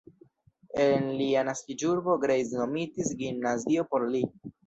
En lia naskiĝurbo Greiz nomitis gimnazio por li.